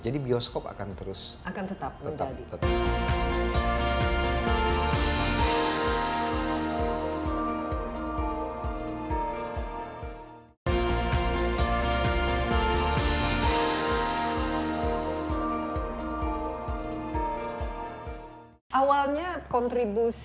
jadi bioskop akan terus